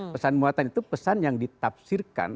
pesan muatan itu pesan yang ditafsirkan